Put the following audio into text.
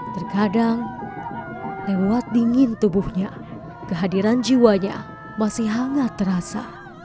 terkadang lewat dingin tubuhnya kehadiran jiwanya masih hangat terasa